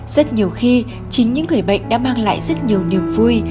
rất nhiều khi chính những người bệnh đã mang lại rất nhiều niềm vui